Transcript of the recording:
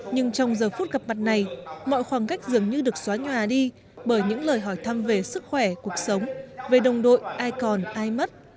nhưng trong giờ phút gặp mặt này mọi khoảng cách dường như được xóa nhòa đi bởi những lời hỏi thăm về sức khỏe cuộc sống về đồng đội ai còn ai mất